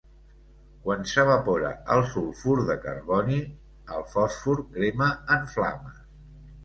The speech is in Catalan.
Quan s'evapora el sulfur de carboni el fòsfor crema en flames.